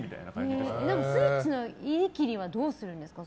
でも、スイッチの入り切りはどうするんですか？